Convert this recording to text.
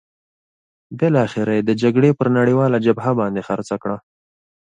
بالاخره یې د جګړې پر نړیواله جبهه باندې خرڅه کړه.